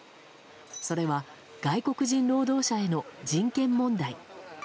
それは外国人労働者への人権問題。